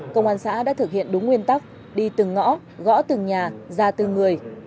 công an xã đã thực hiện đúng nguyên tắc đi từng ngõ gõ từng nhà ra từng người